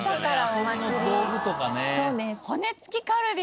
遊びの道具とかね。